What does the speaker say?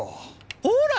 ほら！